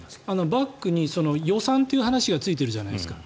バックに、予算という話がついてるじゃないですか。